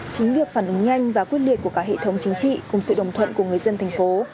chính việc phản ứng nhanh và quyết liệt của cả hệ thống chính trị cùng sự đồng thuận của người dân thành phố